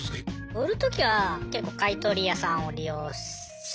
売るときは結構買い取り屋さんを利用したり。